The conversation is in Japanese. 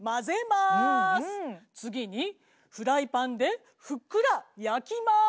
次にフライパンでふっくら焼きます！